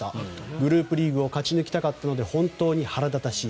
グループリーグを勝ち抜きたかったので本当に腹立たしい。